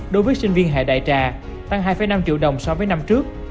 đối với sinh viên hệ đại trà tăng hai năm triệu đồng so với năm trước